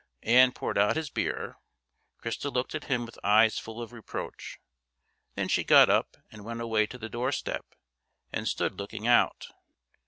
Ann poured out his beer. Christa looked at him with eyes full of reproach. Then she got up and went away to the doorstep, and stood looking out.